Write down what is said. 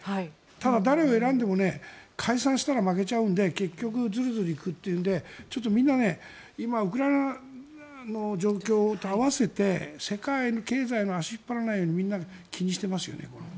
ただ、誰を選んでも解散したら負けちゃうんで結局、ズルズルいくというんでみんなウクライナの状況と合わせて世界経済の足を引っ張らないようにみんな気にしてますよね。